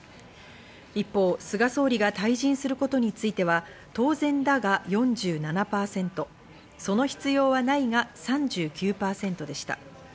一方、菅総理が退陣することについては、当然だが４７％、その必要はないが３９％でした。